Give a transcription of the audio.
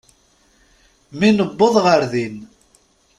Mi newweḍ ɣer din.